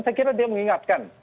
saya kira dia mengingatkan